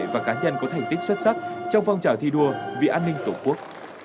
và cá nhân có thành tích xuất sắc trong phong trào thi đua vì an ninh tổ quốc